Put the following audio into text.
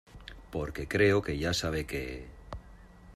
porque creo que ya sabe que